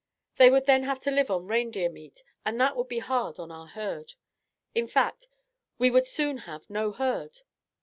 They would then have to live on reindeer meat, and that would be hard on our herd. In fact, we would soon have no herd.